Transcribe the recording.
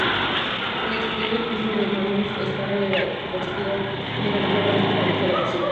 El exterior del Templo de Manaus esta revestido de Granito Branco-Paris de Brasil.